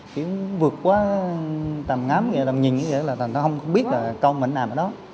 khi vượt qua tầm ngắm kìa tầm nhìn kìa là tầm không biết là con mình nằm ở đó